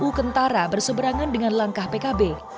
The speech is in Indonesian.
kubu kentara berseberangan dengan langkah pkb